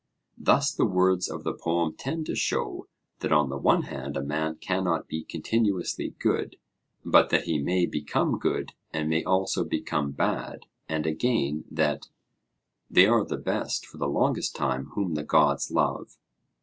Thus the words of the poem tend to show that on the one hand a man cannot be continuously good, but that he may become good and may also become bad; and again that 'They are the best for the longest time whom the gods love.'